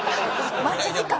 待ち時間が。